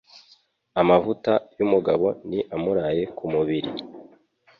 Amavuta y'umugabo ni amuraye ku mubiri.